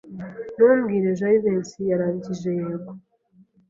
Ntumbwire Jivency yarangije yego.